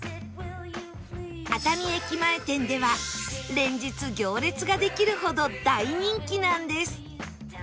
熱海駅前店では連日行列ができるほど大人気なんです